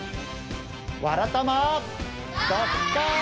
「わらたま」。「ドッカン」！